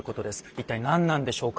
一体何なんでしょうか。